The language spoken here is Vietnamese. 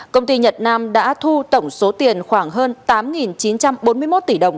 công ty nhật nam đã thu tổng số tiền khoảng hơn tám chín trăm bốn mươi một tỷ đồng